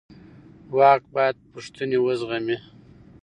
واک باید پوښتنې وزغمي